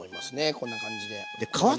こんな感じで。